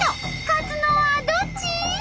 勝つのはどっち！？